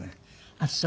あっそう。